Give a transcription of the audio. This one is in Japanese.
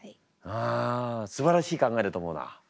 あすばらしい考えだと思うなうん。